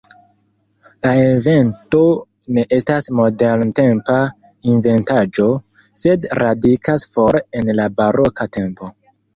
La evento ne estas moderntempa inventaĵo, sed radikas fore en la baroka tempo.